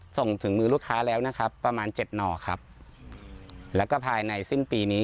ส่งถึงมือลูกค้าแล้วนะครับประมาณเจ็ดหน่อครับแล้วก็ภายในสิ้นปีนี้